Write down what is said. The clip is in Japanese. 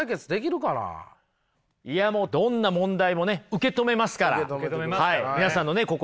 いやもうどんな問題もね受け止めますから。